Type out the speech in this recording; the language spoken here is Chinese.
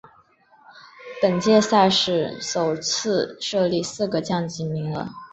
本届赛事首次设立四个降级名额。